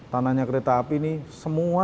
tanahnya kereta api ini semua